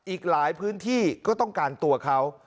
อีกหลายพื้นที่ก็ต้องการตัวเขา